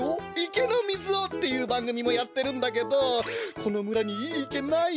池の水を！」っていうばんぐみもやってるんだけどこのむらにいいいけない？